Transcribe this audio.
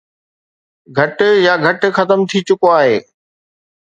گهٽ يا گهٽ ختم ٿي چڪو آهي